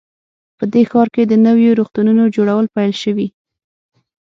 په دې ښار کې د نویو روغتونونو جوړول پیل شوي